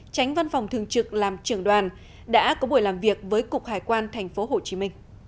tránh văn phòng thường trực làm trưởng đoàn đã có buổi làm việc với cục hải quan tp hcm